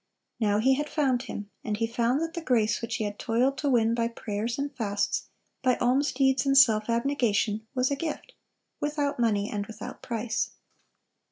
Now he had found Him; and he found that the grace which he had toiled to win by prayers and fasts, by almsdeeds and self abnegation, was a gift, "without money, and without price."